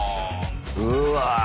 うわ。